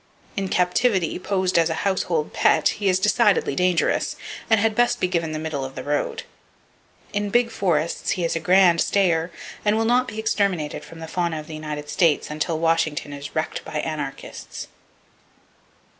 In captivity, posed as a household "pet," he is decidedly dangerous, and had best be given the middle of the road. In big forests he is a grand stayer, and will not be exterminated from the fauna of the United States until Washington is wrecked by anarchists.